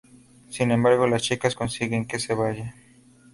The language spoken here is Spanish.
Sin embargo, las chicas consiguen que se vaya.